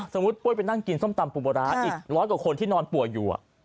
ปุ้ยไปนั่งกินส้มตำปูปลาร้าอีกร้อยกว่าคนที่นอนป่วยอยู่